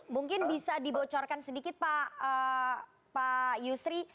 mungkin bisa dibocorkan sedikit pak yusri